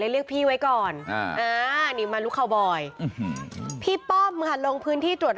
เลยเรียกพี่ไว้ก่อนอันนี้มาลุกเขาบอยพี่ป้อมลงพื้นที่ตรวจ